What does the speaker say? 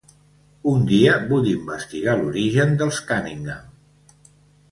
Un dia vull investigar l'origen dels Cunningham.